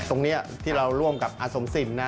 ตรงนี้ที่เราร่วมกับอาสมสินนะ